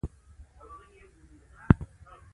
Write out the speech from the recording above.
دا ماته ښه نه ښکاري.